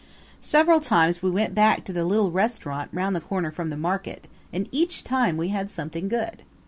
Several times we went back to the little restaurant round the corner from the market, and each time we had something good.